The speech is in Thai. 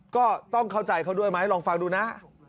ก็ต้องเข้าใจเขาด้วยไหมลองฟังดูนะ